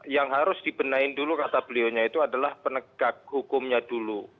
yang harus dibenain dulu kata beliaunya itu adalah penegak hukumnya dulu